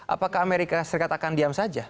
apakah amerika serikat akan diam saja